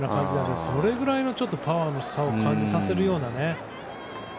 それぐらいのパワーの差を感じさせるような。